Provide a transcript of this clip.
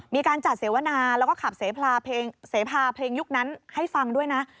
แล้วก็ขับเสพาเพลงยุคนั้นให้ฟังด้วยนะ